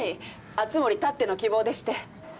熱護たっての希望でして。